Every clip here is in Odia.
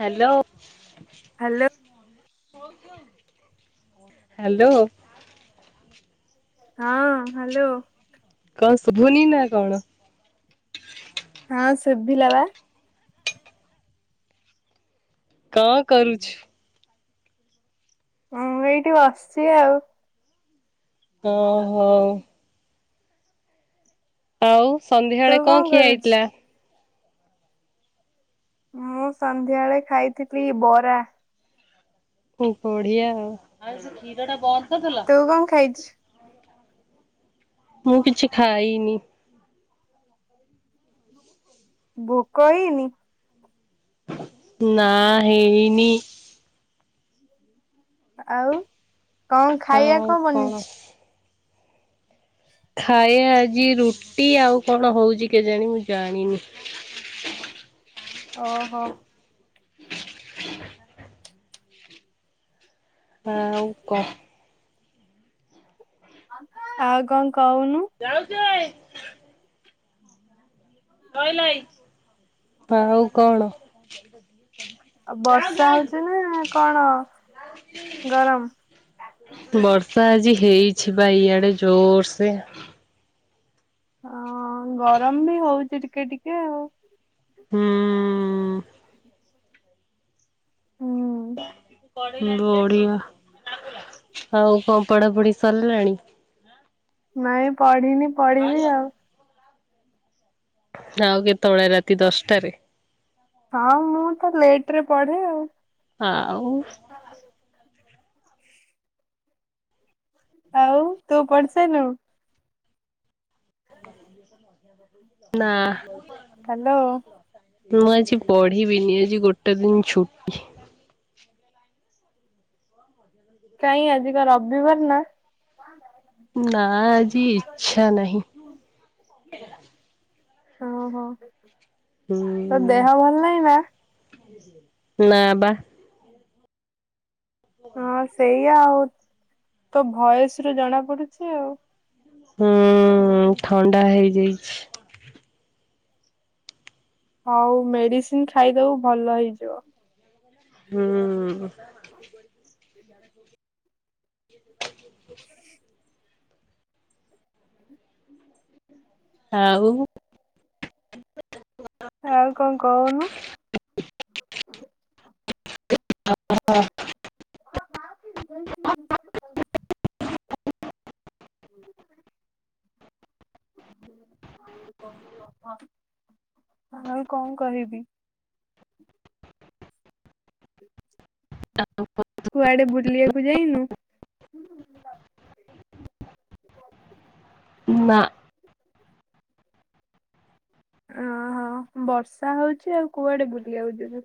ହ୍ୟାଲୋ। ହାଲୋ। ହ୍ୟାଲୋ। ହଁ ହ୍ୟାଲୋ। କଣ ଶୁଭୁନି ନା କଣ? ହଁ ଶୁଭିଲା ବା। କଣ କରୁଛୁ? ମୁଁ ଏଇଠି ବସିଛି ଆଉ। ଅ, ହଉ। ଆଉ ତୁ ସନ୍ଧ୍ୟାବେଳେ କଣ ଖିଆ କରୁଛୁ? ହେଇଥିଲା? ମୁଁ ସନ୍ଧ୍ୟାବେଳେ ଖାଇଥିଲି ବରା। ଆଉ ବଢିଆ। ତୁ କଣ ଖାଇଛୁ? ମୁଁ କିଛି ଖାଇନି। ଭୋକ ହେଇନି? ନା ହେଇନି। ଆଉ କଣ ଖାଇବା କଣ ବନିଛି? ଖାଇଆ ଆଜି ରୁଟି ଆଉ କଣ ହଉଛି କେଜାଣି ମୁଁ ଜାଣିନି। ଓହୋ। ଆଉ କ। ଆଉ କଣ କହୁନୁ? ଯାଉଚି। ସଇଲା ଏଇ ତ ଆଉ କଣ? ଆଉ ବର୍ଷା ହଉଛି ନା ଆଉ କଣ ଗରମ? ବର୍ଷା ଆଜି ହେଇଛି ବା ଇଆଡେ ଜୋର ସେ। ହଁ ଗରମ ବି ହଉଛି ଟିକେ ଟିକେ ଆଉ। ହୁଁ, ଉଁ, ହୁଁ। ବଢିଆ, ଆଉ କଣ ପଢାପଢି ସରଲାଣି? ନାଇଁ ପଢିନି ପଢିବି ଆଉ। ଯାଉ କେତେବଳେ ରାତି ଦଶଟାରେ? ହଁ ମୁଁ ତ ଲେଟ୍ ରେ ପଢେ ଆଉ। ହଁ ଆଉ ଆଉ ତୁ ପଢି ସାଇଲୁଣୁ? ନା। ହାଲୋ। ମୁଁ ଆଜି ପଢିବିନି ଆଜି ଗୋଟେ ଦିନ ଛୁଟି। କାଇଁ ଆଜି କଣ ରବିବାର ନା? ନା ଆଜି ଇଚ୍ଛା ନାହିଁ। ଓହୋ, ତୋ ହୁଁ ଦେହ ଭଲ ନାହିଁ ନା? ନା ବା। ହଁ ସେଇଆ ଆଉ ତୋ ଭଏସ୍ ରୁୁ ଜଣା ପଡୁଛି ଆଉ। ହୁଁ, ଉଁ, ଥଣ୍ଡା ହେଇଯାଇଛି। ହଉ ମେଡିସିନ ଖାଇଦବୁ ଭଲ ହେଇଯିବ। ହୁଁ। [unintelligible] ଆଉ। ଆଉ କଣ କହୁନୁ? [unintelligible] [unintelligible] [inaudible] ଆଉ କଣ କହିବି? [unintelligible] [inaudible] କୁଆଡେ ବୁଲିଆକୁ ଯାଇନୁ? ନା। ଆ ହ ବର୍ଷା ହଉଚି ଆଉ କୁଆଡେ ବୁଲିଆକୁ ଯିବୁ।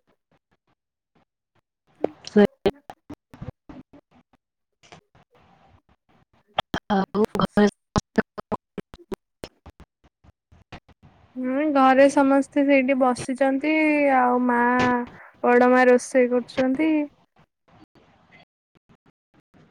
ଉଁ ସେ ଆ ଆଉ ଘରେ [inaudible] ହୁଁ ଘରେ ସମସ୍ତେ ସେଇଠି ବସିଚନ୍ତି ଆଉ ମା। ବଡ ମା ରୋଷେଇ କରୁଚନ୍ତି।